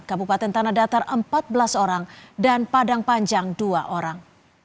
kabupaten tanah datar empat belas orang dan padang panjang dua orang